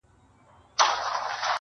o کورنۍ دننه جګړه روانه ده تل,